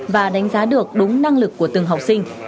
và đánh giá được đúng năng lực của từng học sinh